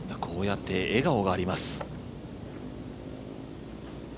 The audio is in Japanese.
こうやって笑顔があります。